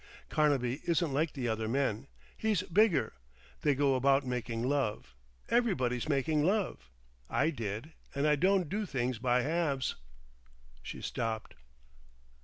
Carnaby isn't like the other men. He's bigger.... They go about making love. Everybody's making love. I did.... And I don't do things by halves." She stopped.